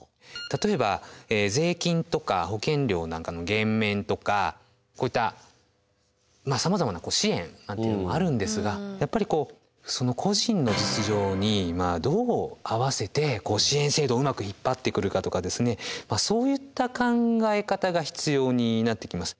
例えば税金とか保険料なんかの減免とかこういったさまざまな支援なんていうのもあるんですがやっぱりこう個人の実情にどう合わせて支援制度をうまく引っ張ってくるかとかそういった考え方が必要になってきます。